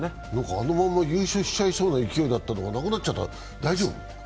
あのまま優勝しちゃいそうな勢いだったのがなくなっちゃった、大丈夫？